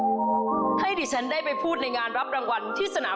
ของท่านได้เสด็จเข้ามาอยู่ในความทรงจำของคน๖๗๐ล้านคนค่ะทุกท่าน